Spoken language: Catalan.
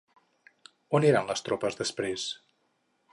On eren les tropes després?